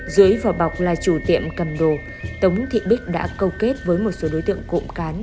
dưới vỏ bọc là chủ tiệm cầm đồ tống thị bích đã câu kết với một số đối tượng cộng cán